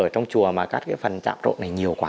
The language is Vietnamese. trạm trổ này nhiều quá